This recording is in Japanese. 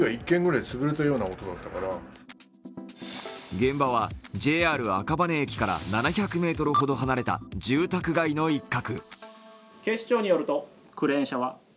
現場はＪＲ赤羽駅から７００ｍほど離れた住宅街の一角。